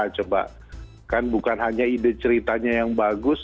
coba kan bukan hanya ide ceritanya yang bagus